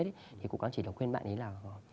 thì cũng chỉ là khuyên bạn ấy là